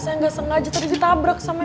saya nggak sengaja tadi ditabrak sama